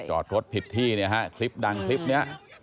จอดรถผิดที่คลิปดังคลิปนี้